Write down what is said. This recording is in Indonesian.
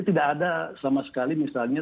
tidak ada sama sekali misalnya